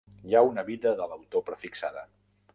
Hi ha una vida de l'autor prefixada.